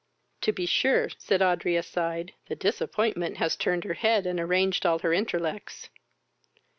"To be sure, (said Audrey aside,) the disappointment has turned her head, and arranged all her interlects.